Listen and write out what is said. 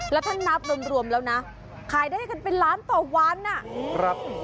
แล้วถ้านับรวมแล้วนะขายได้กันเป็นล้านต่อวันนะ